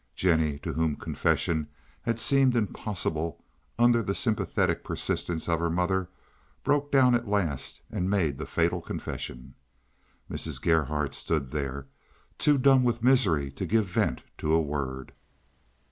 Jennie, to whom confession had seemed impossible, under the sympathetic persistence of her mother broke down at last and made the fatal confession. Mrs. Gerhardt stood there, too dumb with misery to give vent to a word.